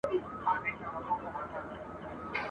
نوي غوټۍ به له منګولو د ملیاره څارې !.